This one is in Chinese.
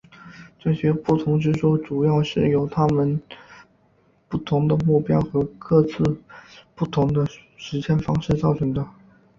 这些不同之处主要是由他们不同的目标和各自不同的实现方式造成的。